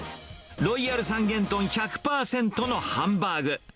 ロイヤル三元豚１００％のハンバーグ。